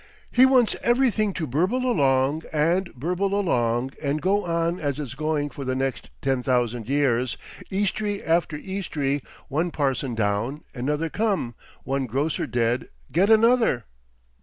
He wants everything to burble along and burble along and go on as it's going for the next ten thousand years, Eastry after Eastry, one parson down another come, one grocer dead, get another!